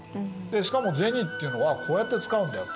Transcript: で「しかも銭っていうのはこうやって使うんだよ。